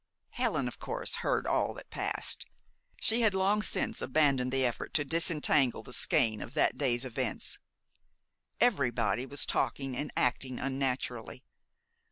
Helen, of course, heard all that passed. She had long since abandoned the effort to disentangle the skein of that day's events. Everybody was talking and acting unnaturally.